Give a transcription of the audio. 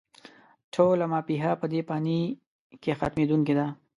ټوله «ما فيها» په دې فاني کې ختمېدونکې ده